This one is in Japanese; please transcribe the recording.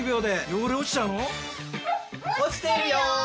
落ちてるよ！